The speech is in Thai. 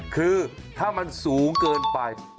คือถ้ามันสูงเกินไป